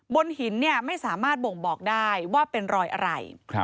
บนหินไม่สามารถบ่งบอกได้ว่าเป็นรอยอะไร